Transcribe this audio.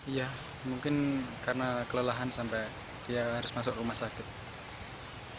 iya mungkin karena kelelahan sampai dia harus masuk rumah sakit